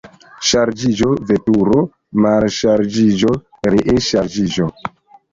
Ŝarĝiĝo, veturo, malŝargiĝo, ree ŝarĝiĝo.